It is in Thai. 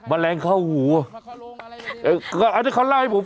มะแรงเข้าหู